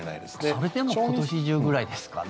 それでも今年中ぐらいですかね。